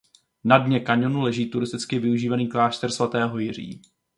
Na dně kaňonu leží turisticky využívaný klášter svatého Jiří.